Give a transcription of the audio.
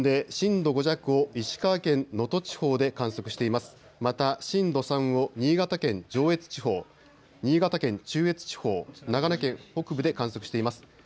また震度３を新潟県上越地方、新潟県中越地方、長野県北部で観測しています。